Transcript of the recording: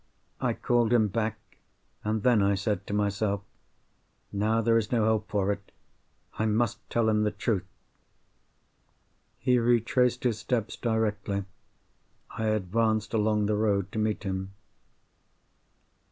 I called him back—and then I said to myself, "Now there is no help for it. I must tell him the truth!" He retraced his steps directly. I advanced along the road to meet him.